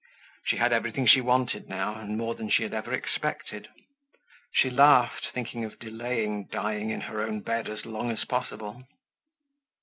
She had everything she wanted now and more than she had ever expected. She laughed, thinking of delaying dying in her own bed as long as possible.